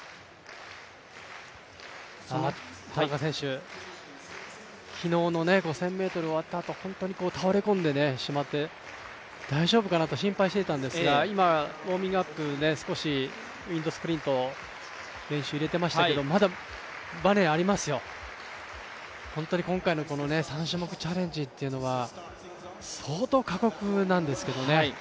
田中選手、昨日の５０００ｍ終わったあと本当に倒れ込んでしまって大丈夫かなと心配していたんですが今、ウオーミングアップ、ウインドスプリント、練習入れてましたけどまだバネありますよ、今回の３種目チャレンジというのは相当過酷なんですけどね。